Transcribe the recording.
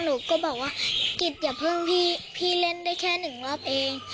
หนูก็บอกว่ากิจอย่าเพิ่งพี่เล่นได้แค่หนึ่งรอบเอง